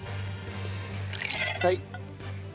はい。